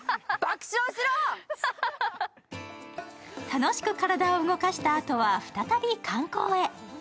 楽しく体を動かしたあとは、再び観光へ。